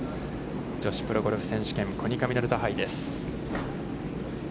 女子プロゴルフ選手権コニカミノルタ杯です。